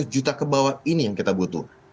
lima ratus juta ke bawah ini yang kita butuh